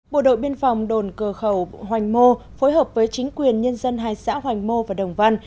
bộ đội biên phòng đồn cơ khẩu hoành mô phối hợp với chính quyền nhân dân hai xã hoành mô và đồng văn